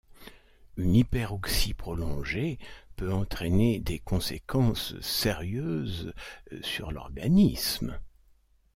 Une hyperoxie prolongée peut entraîner des conséquences sérieuses sur l'organisme.